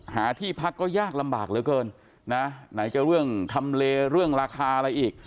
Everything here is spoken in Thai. หาที่พักก็ยากลำบากเหลือเกินนะไหนจะเรื่องทำเลเรื่องราคาอะไรอีก